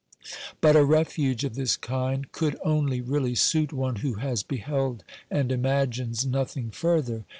But a refuge of this kind could only really suit one who has beheld and imagines nothing further.